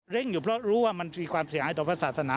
อยู่เพราะรู้ว่ามันมีความเสียหายต่อพระศาสนา